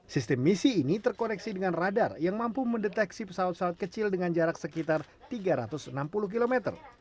sistem misi ini terkoneksi dengan radar yang mampu mendeteksi pesawat pesawat kecil dengan jarak sekitar tiga ratus enam puluh km